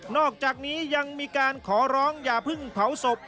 อกจากนี้ยังมีการขอร้องอย่าเพิ่งเผาศพ